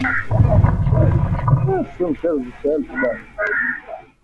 ni vyema kupalilia viazi miezi miwili ya kwanza